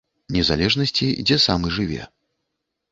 Незалежнасці, дзе сам і жыве.